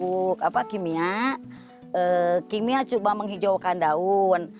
dulu kalau pakai pupuk kimia kimia coba menghijaukan daun